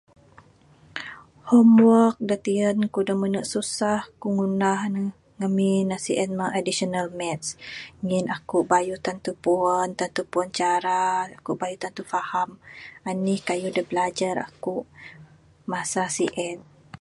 Homework da tiyan kuk da menu susah kuk ngundah ne ngamin ne si'en mah Additional Maths. Ngin akuk bayuh tantu puan, bayuh puan cara, akuk bayuh tantu faham anih kayuh da bilajar akuk masa si'en.